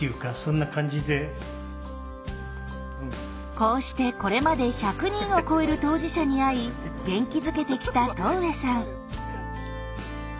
こうしてこれまで１００人を超える当事者に会い元気づけてきた戸上さん。